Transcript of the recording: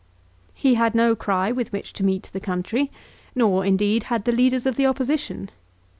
He had no cry with which to meet the country, nor, indeed, had the leaders of the Opposition.